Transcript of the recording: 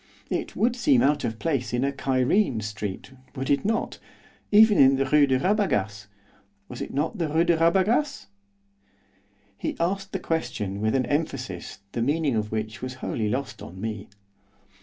It would seem out of place in a Cairene street, would it not? even in the Rue de Rabagas, was it not the Rue de Rabagas?' He asked the question with an emphasis the meaning of which was wholly lost on me.